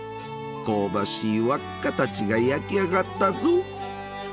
香ばしい輪っかたちが焼き上がったぞ！